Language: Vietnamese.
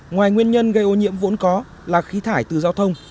ngoài nguyên nhân gây ô nhiễm vốn có là khí thải từ giao thông